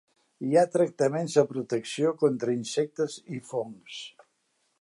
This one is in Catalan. Hi ha tractaments de protecció, contra insectes i fongs.